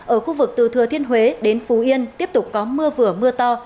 ở khu vực từ thừa thiên huế đến phú yên tiếp tục có mưa vừa mưa to